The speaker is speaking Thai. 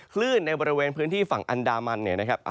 คลื่นในบริเวณพื้นที่ฝั่งอันดามันนะครับ